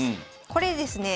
これですね